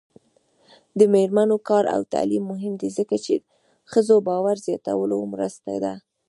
د میرمنو کار او تعلیم مهم دی ځکه چې ښځو باور زیاتولو مرسته ده.